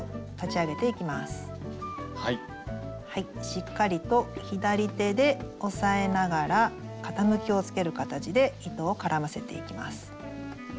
しっかりと左手で押さえながら傾きをつける形で糸を絡ませていきます。